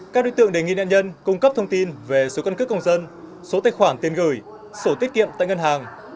các đối tượng đề nghị nạn nhân cung cấp thông tin về số căn cước công dân số tài khoản tiền gửi sổ tiết kiệm tại ngân hàng